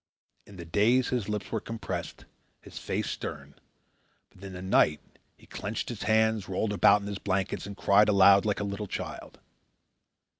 In the day his lips were compressed, his face stern; but in the night he clenched his hands, rolled about in his blankets, and cried aloud like a little child.